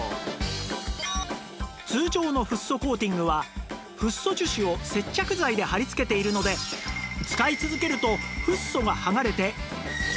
通常のフッ素コーティングはフッ素樹脂を接着剤で張り付けているので使い続けるとフッ素がはがれてこびりつきの原因に